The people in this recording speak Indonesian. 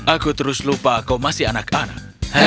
aku terus lupa kau masih anak anak